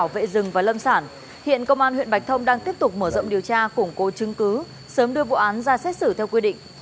vệ rừng và lâm sản hiện công an huyện bạch thông đang tiếp tục mở rộng điều tra củng cố chứng cứ sớm đưa vụ án ra xét xử theo quy định